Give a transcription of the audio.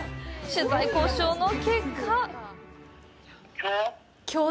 取材交渉の結果きょう？